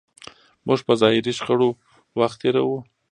موږ په ظاهري شخړو وخت تېروو.